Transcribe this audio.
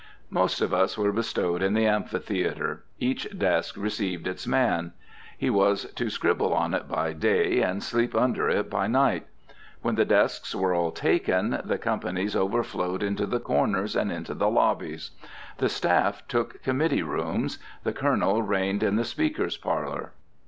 Most of us were bestowed in the amphitheatre. Each desk received its man. He was to scribble on it by day, and sleep under it by night. When the desks were all taken, the companies overflowed into the corners and into the lobbies. The staff took committee rooms. The Colonel reigned in the Speaker's parlor.